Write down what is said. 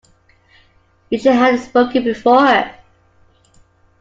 You should have spoken before.